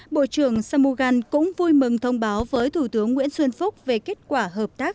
bộ trưởng samugan cũng vui mừng thông báo với thủ tướng nguyễn xuân phúc về kết quả hợp tác